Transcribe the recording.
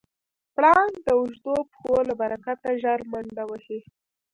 پړانګ د اوږدو پښو له برکته ژر منډه وهي.